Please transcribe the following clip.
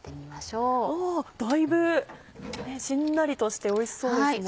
おだいぶしんなりとしておいしそうですね。